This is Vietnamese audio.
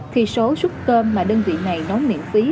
thì số suất cơm mà đơn vị này nấu miễn phí